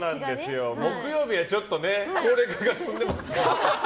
木曜日はちょっとね高齢化が進んでますので。